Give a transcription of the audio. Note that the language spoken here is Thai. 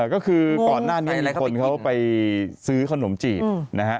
ก็คือก่อนหน้านี้มีคนเขาไปซื้อขนมจีบนะฮะ